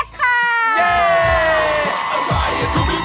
โอ้โฮสวัสดีค่ะสวัสดีค่ะสวัสดีค่ะ